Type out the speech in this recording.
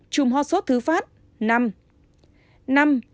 bốn chủng ho sốt thứ pháp năm